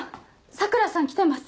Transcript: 桜さん来てます。